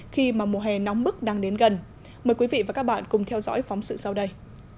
khi mà mùa hè nóng bức đang đến gần mời quý vị và các bạn cùng theo dõi phóng sự sau đây